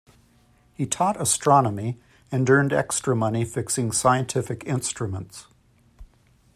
He taught astronomy and earned extra money fixing scientific instruments.